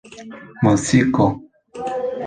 muziko